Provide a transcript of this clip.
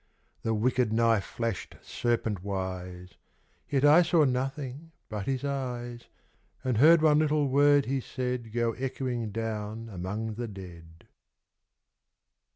The wicked knife flashed serpent wise. — Yet I saw nothing but his eyes, And heard one little word he said Go echoing down among the Dead.